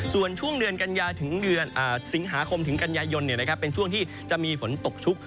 ส่วนช่วงเดือนกันยาถึงเดือนสิงหาคมถึงกันยายนเป็นช่วงที่จะมีฝนตกชุก